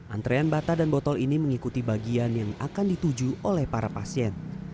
antrean bata dan botol ini mengikuti bagian yang akan dituju oleh para pasien